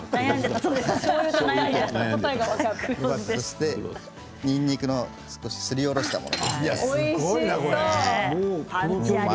そして、にんにくのすりおろしたもの。